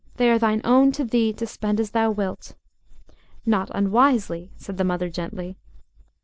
They are thine own to thee, to spend as thou wilt." "Not unwisely," said the mother gently.